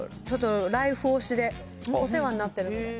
ちょっとライフ推しで、お世話になってるんで。